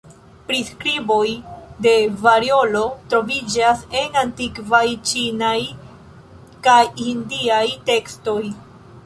Priskriboj de variolo troviĝas en antikvaj ĉinaj kaj hindaj tekstoj.